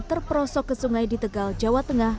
terperosok ke sungai di tegal jawa tengah